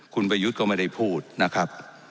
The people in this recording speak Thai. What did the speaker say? คุณประยุทธ์ก็ไม่ได้พูดนะครับ